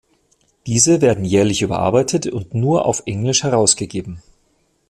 Diese werden jährlich überarbeitet und nur auf Englisch herausgegeben.